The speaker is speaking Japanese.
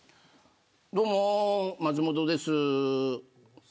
どうも、松本です。